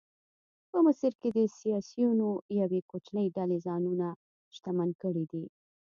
په مصر کې د سیاسیونو یوې کوچنۍ ډلې ځانونه شتمن کړي دي.